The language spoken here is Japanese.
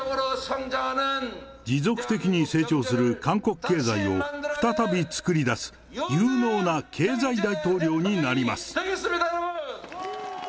持続的に成長する韓国経済を再び作り出す、有能な経済大統領になります。